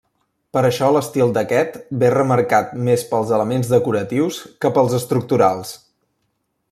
Per això l'estil d'aquest ve remarcat més pels elements decoratius que pels estructurals.